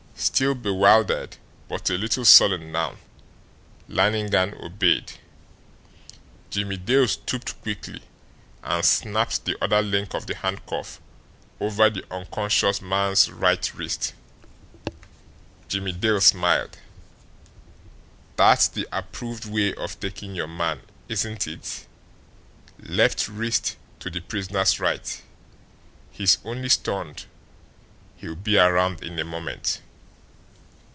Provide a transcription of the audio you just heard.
Still bewildered, but a little sullen now, Lannigan obeyed. Jimmie Dale stooped quickly, and snapped the other link of the handcuff over the unconscious man's right wrist. Jimmie Dale smiled. "That's the approved way of taking your man, isn't it? Left wrist to the prisoner's right. He's only stunned; he'll be around in a moment.